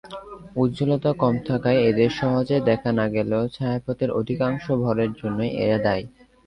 উজ্জ্বলতা কম থাকায় এদের সহজে দেখা না গেলেও ছায়াপথের অধিকাংশ ভরের জন্যই এরা দায়ী।